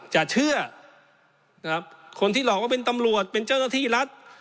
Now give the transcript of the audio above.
จะเชื่อนะครับคนที่หลอกว่าเป็นตำรวจเป็นเจ้าหน้าที่รัฐ